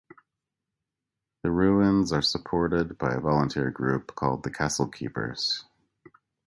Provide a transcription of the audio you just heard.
The ruins are supported by a volunteer group called the Castle Keepers.